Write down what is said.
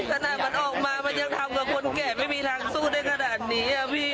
ขนาดมันออกมามันยังทำกับคนแก่ไม่มีทางสู้ได้ขนาดนี้พี่